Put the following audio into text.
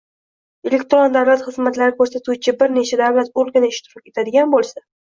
elektron davlat xizmatlari ko‘rsatuvchi bir nechta davlat organi ishtirok etadigan bo‘lsa